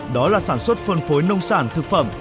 đó là sản xuất phân phối nông sản thực phẩm